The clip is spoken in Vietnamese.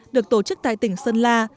được tổ chức tại tỉnh sơn la